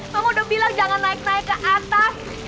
kamu udah bilang jangan naik naik ke atas